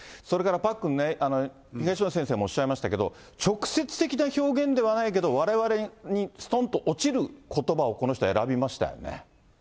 それからパックンね、東野先生もおっしゃいましたけれども、直接的な表現ではないけれど、われわれにすとんと落ちることばをこの人は選びましたよね。